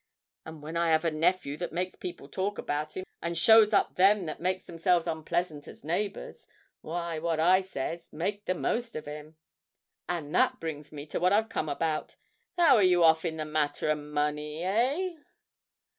And when I have a nephew that makes people talk about him and shows up them that makes themselves unpleasant as neighbours, why, what I say is, Make the most of him! And that brings me to what I've come about. How are you off in the matter o' money, hey?'